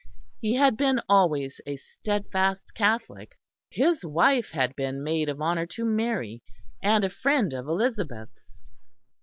He had been always a steadfast Catholic; his wife had been maid of honour to Mary and a friend of Elizabeth's.